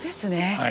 はい。